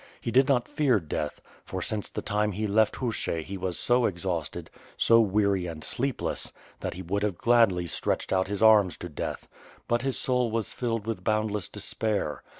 He did not fear death, for since the time he left Hushch he was so exhausted, so weary and sleepless, that he would have gladly stretched out his arms to death — ^but his soul was filled with boundless despair.